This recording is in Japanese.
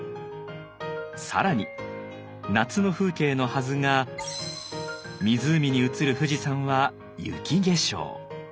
更に夏の風景のはずが湖に映る富士山は雪化粧。